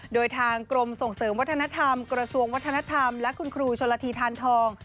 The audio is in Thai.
โดยทางกรมส่งเสริมวัฒนธรรมกระทรวงวัฒนธรรมและคุณครูชนละทีทานทอง